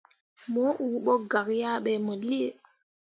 Mo uu ɓo gak yah ɓe mo lii.